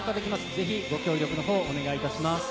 ぜひご協力の方、お願いします。